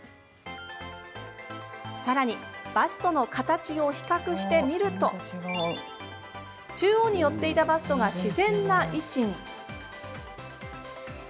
さらにバストの形を比較してみると中央に寄っていたバストが自然な位置に。